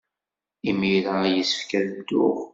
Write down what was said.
Imir-a yessefk ad dduɣ.